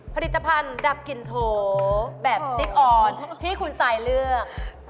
ผลิตภัณฑ์ดับกลิ่นโถแบบสติ๊กออนที่คุณซายเลือก